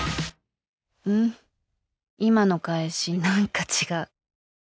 今の返し何か違う。